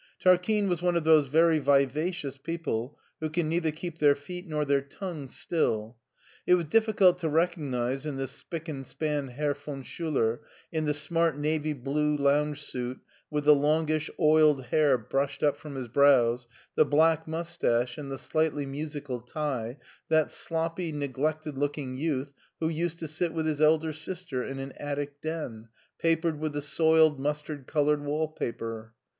Tarquine was one of those very vivacious people who can neither keep their feet nor their tongues still. It was difficult to recognize in this spick and span Herr von Schiiler, in the smart navy blue lounge suit, with the longish oiled hair brushed up from his brows, the black mustache and the slightly musical tie, that sloppy, neglected looking youth who used to sit with his elder sister in an attic den, papered with a soiled mustard colored wall paper.